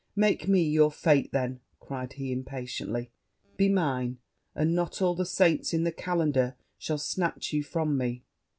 'Make me your fate, then,' cried he impatiently: 'be mine, and not all the saints in the kalendar shall snatch you from me.'